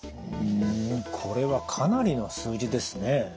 これはかなりの数字ですね。